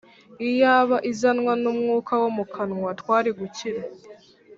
Iyaba izanwa n’umwuka wo mu kanwa twari gukira